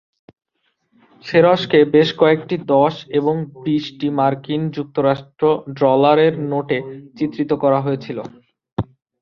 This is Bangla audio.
সেরসকে বেশ কয়েকটি দশ এবং বিশটি মার্কিন যুক্তরাষ্ট্র ডলারের নোটে চিত্রিত করা হয়েছিল।